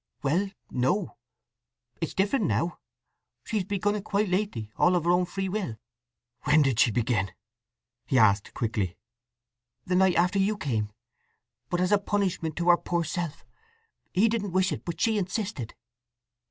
"Well, no—it's different now. She's begun it quite lately—all of her own free will." "When did she begin?" he asked quickly. "The night after you came. But as a punishment to her poor self. He didn't wish it, but she insisted."